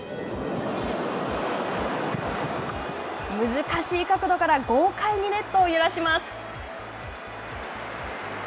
難しい角度から豪快にネットを揺らします。